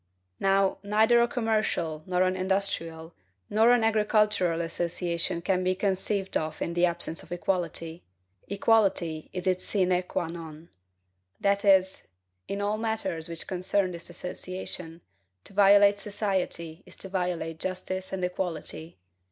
Now, neither a commercial, nor an industrial, nor an agricultural association can be conceived of in the absence of equality; equality is its sine qua non. So that, in all matters which concern this association, to violate society is to violate justice and equality.